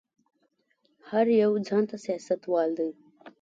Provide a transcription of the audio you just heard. هر يو ځان ته سياستوال دی.